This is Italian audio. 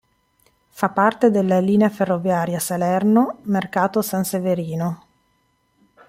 Fa parte della linea ferroviaria Salerno-Mercato San Severino.